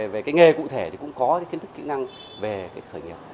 về cái nghề cụ thể thì cũng có kiến thức kỹ năng về khởi nghiệp